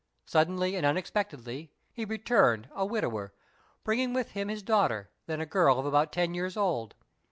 Suddenly and unexpectedly he returned a widower, bringing with him his daughter, then a girl of about ten years old.